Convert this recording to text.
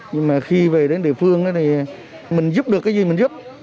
nhưng mà khi về đến địa phương thì mình giúp được cái gì mình giúp